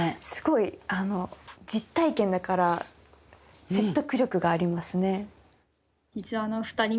すごい実体験だから説得力がありますね。